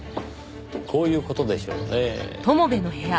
こういう事でしょうねぇ。